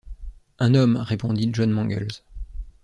Un homme, » répondit John Mangles.